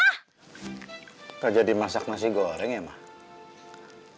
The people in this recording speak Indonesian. kalau jadi masak nasi goreng ya mak